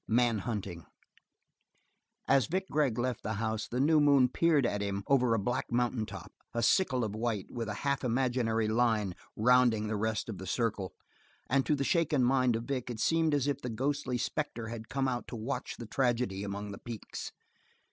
Man Hunting As Vic Gregg left the house, the new moon peered at him over a black mountain top, a sickle of white with a half imaginary line rounding the rest of the circle, and to the shaken mind of Vic it seemed as if a ghostly spectator had come out to watch the tragedy among the peaks.